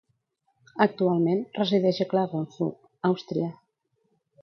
Actualment resideix a Klagenfurt, Àustria.